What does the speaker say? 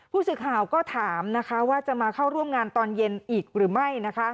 ผู้สื่อข่าวก็ถามว่าจะมาเข้าร่วมงานตอนเย็นอีกหรือไม่